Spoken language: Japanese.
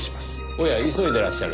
おや急いでいらっしゃる？